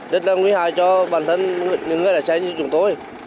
rất là nguy hiểm cho bản thân những người đã chạy như chúng tôi